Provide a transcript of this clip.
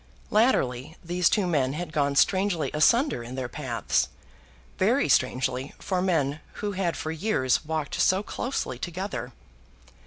Latterly these two men had gone strangely asunder in their paths, very strangely for men who had for years walked so closely together.